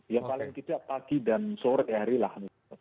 ya paling tidak pagi dan sore hari lah